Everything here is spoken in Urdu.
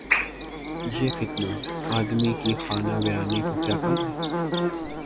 یہ فتنہ‘ آدمی کی خانہ ویرانی کو کیا کم ہے؟